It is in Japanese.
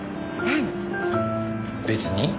別に。